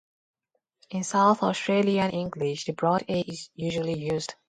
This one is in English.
In South Australian English the broad A is usually used.